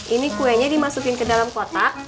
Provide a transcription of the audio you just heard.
ini kuenya dimasukin ke dalam kotak